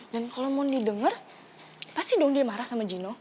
dan kalau mondi denger pasti dong dia marah sama jino